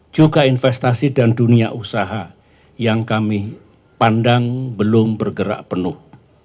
juga investasi dan dunia usaha yang kami pandang belum bergerak penuh